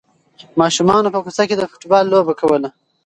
ماشومانو په کوڅه کې د فوټبال لوبه کوله.